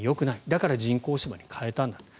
だから人工芝に変えたんだと。